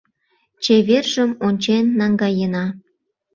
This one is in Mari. Чевержым ончен наҥгаена.